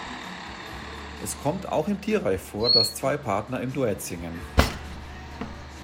Es kommt auch im Tierreich vor, dass zwei Partner im Duett singen.